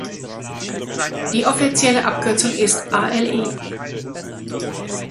Die offizielle Abkürzung ist "Ale".